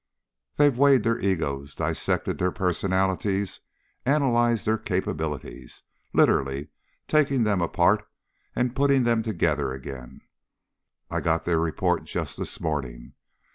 "They've weighed their egos, dissected their personalities, analyzed their capabilities, literally taken them apart and put them together again. I got their report just this morning."